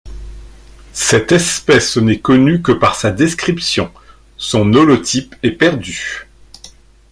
Cette espèce n'est connue que par sa description, son holotype est perdu.